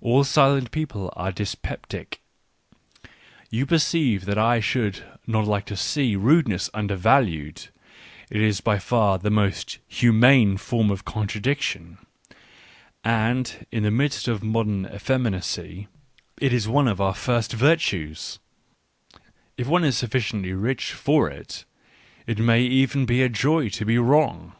All silent people are dyspeptic. You perceive that I should not like to see rudeness undervalued ; it is by far the most humane form of contradiction, and, in the midst of modern effeminacy, it is one of our first virtuesj If one is sufficiently rich for it, it may even be a joy to be wrong.